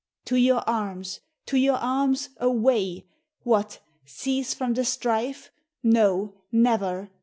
To your arms! To your arms! Away! What! cease from the strife? No, never!